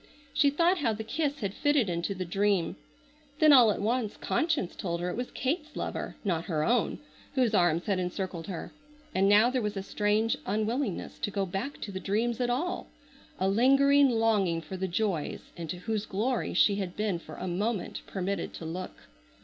She thought how the kiss had fitted into the dream. Then all at once conscience told her it was Kate's lover, not her own, whose arms had encircled her. And now there was a strange unwillingness to go back to the dreams at all, a lingering longing for the joys into whose glory she had been for a moment permitted to look.